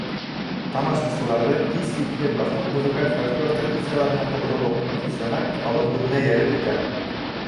Тамашасыларҙы һис шикһеҙ башҡорт музыкаль фольклор традицияларына тоғролоҡ, профессиональ оҫталыҡ үҙенә йәлеп итә.